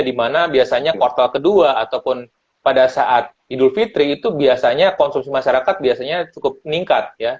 dimana biasanya kuartal ke dua ataupun pada saat idul fitri itu biasanya konsumsi masyarakat cukup meningkat